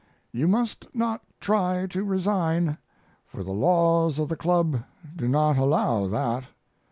You must not try to resign, for the laws of the club do not allow that.